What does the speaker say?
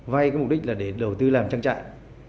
vay cái mục đích là để đầu tư làm trang trại